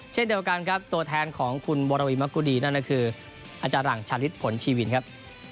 เช่นเดียวกันครับตัวแทนของคุณบรวรวิมกุฎีนั่นคืออาจารังฉันฤทธิ์ผลชีวินครับ